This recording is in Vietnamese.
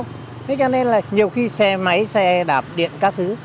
thế cho nên là nhiều khi xe máy xe đạp điện các thứ